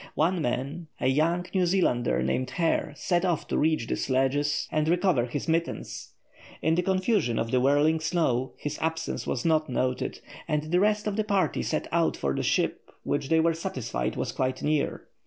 One man, a young New Zealander named Hare, set off to reach the sledges and recover his mittens. In the confusion of the whirling snow his absence was not noted, and the rest of the party set out for the ship, which they were satisfied was quite near.